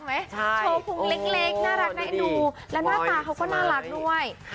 โชว์ภูมิเล็กน่ารักนะนายดูและหน้าตาเขาก็น่ารักด้วย